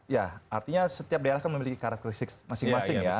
ya artinya setiap daerah kan memiliki karakteristik masing masing ya